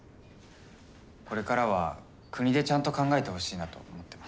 これからは国でちゃんと考えてほしいなと思ってます。